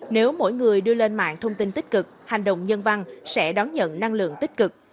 nếu mỗi người đưa lên mạng thông tin tích cực hành động nhân văn sẽ đón nhận năng lượng tích cực